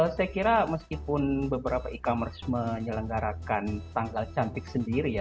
saya kira meskipun beberapa e commerce menyelenggarakan tanggal cantik sendiri ya